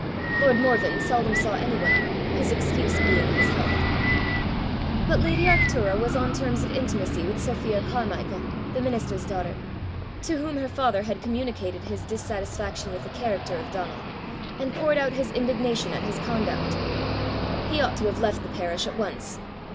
Lord Morven seldom saw any one, his excuse being his health. But lady Arctura was on terms of intimacy with Sophia Carmichael, the minister's daughter to whom her father had communicated his dissatisfaction with the character of Donal, and poured out his indignation at his conduct. He ought to have left the parish at once!